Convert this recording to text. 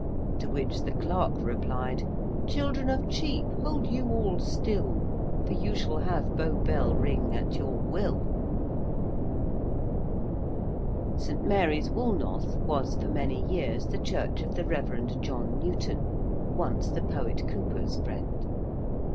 To which the clerk replied: 'Children of Chepe, hold you all stille: For you shall have Bow Bell ring at your will.' St. Mary's Woolnoth was for many years the church of the Rev. John Newton, once the poet Cowper's friend.